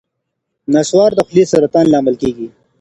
نصوار د خولې سرطان لامل ګرځي.